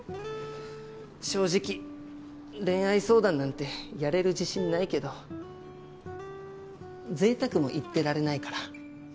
正直恋愛相談なんてやれる自信ないけど贅沢も言ってられないから。